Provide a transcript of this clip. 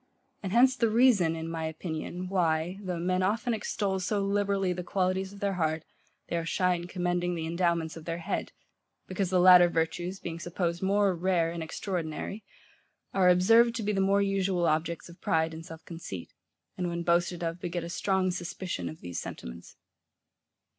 And hence the reason, in my opinion, why, though men often extol so liberally the qualities of their heart, they are shy in commending the endowments of their head: because the latter virtues, being supposed more rare and extraordinary, are observed to be the more usual objects of pride and self conceit; and when boasted of, beget a strong suspicion of these sentiments.